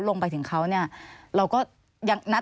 สวัสดีค่ะที่จอมฝันครับ